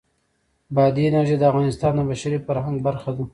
بادي انرژي د افغانستان د بشري فرهنګ برخه ده.